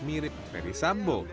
mirip dari sambo